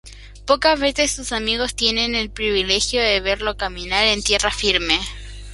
Pocas veces sus amigos tienen el privilegio de verlo caminar en tierra firme.